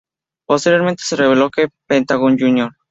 Posteriormente, se reveló que Pentagón Jr.